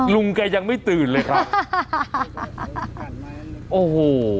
ลุงแกยังไม่ตื่นเลยครับโอ้โห